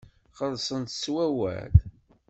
Xellxen-t s wawal.